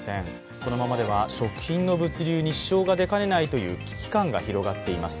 このままでは食品の物流に支障が出かねないという危機感が広がっています。